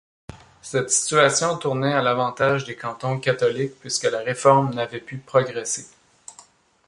Cette situation tournait à l'avantage des cantons catholiques puisque la Réforme n'avait pu progresser.